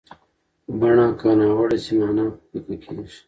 بڼه که ناوړه شي، معنا پیکه کېږي.